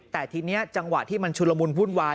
แต่ทีนี้จังหวะที่มันชุลมุนวุ่นวาย